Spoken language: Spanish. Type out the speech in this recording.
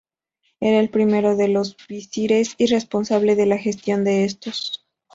Era el primero de los visires y responsable de la gestión de estos.